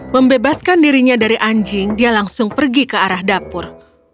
membebaskan dirinya dari anjing dia langsung pergi ke arah dapur